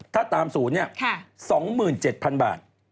ถ้าตามสูตรเนี่ย๒๗๐๐๐บาท